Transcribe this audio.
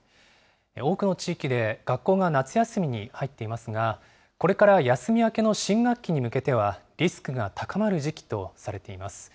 多くの地域で学校が夏休みに入っていますが、これから休み明けの新学期に向けてはリスクが高まる時期とされています。